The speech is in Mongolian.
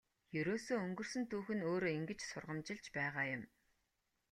Ерөөсөө өнгөрсөн түүх нь өөрөө ингэж сургамжилж байгаа юм.